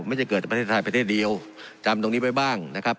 ไม่ใช่เกิดแต่ประเทศไทยประเทศเดียวจำตรงนี้ไปบ้างนะครับ